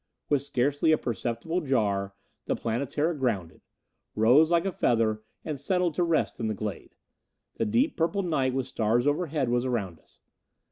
With scarcely a perceptible jar, the Planetara grounded, rose like a feather and settled to rest in the glade. The deep purple night with stars overhead was around us.